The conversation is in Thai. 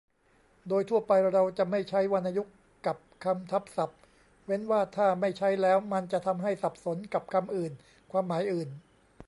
โดยทั่วไปเราจะไม่ใช้วรรณยุกต์กับคำทับศัพท์ เว้นว่าถ้าไม่ใช้แล้วมันจะทำให้สับสนกับคำอื่นความหมายอื่น